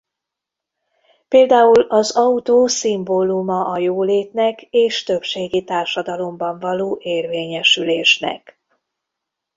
Például az autó szimbóluma a jólétnek és többségi társadalomban való érvényesülésnek.